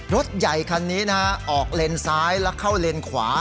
รถใหญ่คันนี้นะฮะออกเลนซ้ายแล้วเข้าเลนขวา